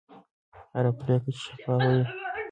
هره پرېکړه چې شفافه وي، شخړه نه زېږي.